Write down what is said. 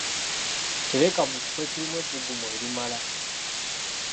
Tereka mu kifo ekirimu ebbugumu erimala